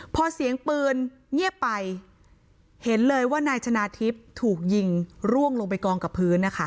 พอเสียงปืนเงียบไปเห็นเลยว่านายชนะทิพย์ถูกยิงร่วงลงไปกองกับพื้นนะคะ